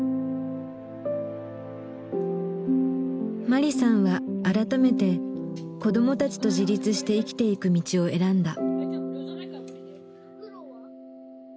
マリさんは改めて子どもたちと自立して生きていく道を選んだ。